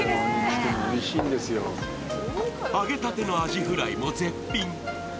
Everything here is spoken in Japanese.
揚げたてのアジフライも絶品。